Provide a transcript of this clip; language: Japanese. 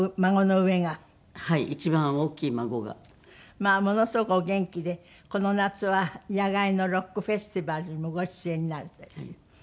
まあものすごくお元気でこの夏は野外のロックフェスティバルにもご出演になって。